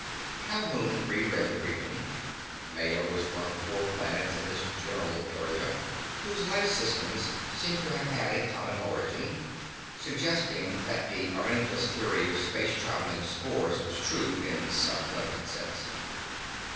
Calhoun reread the briefing. Maya was one of four planets in this general area whose life systems seemed to have had a common origin, suggesting that the Arrhenius theory of space traveling spores was true in some limited sense.